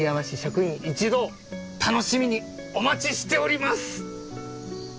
市職員一同楽しみにお待ちしております！